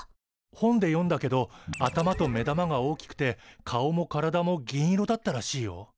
本で読んだけど頭と目玉が大きくて顔も体も銀色だったらしいよ。